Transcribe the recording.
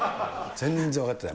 全然分かってない。